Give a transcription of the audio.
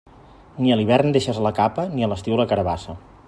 Ni a l'hivern deixes la capa, ni a l'estiu la carabassa.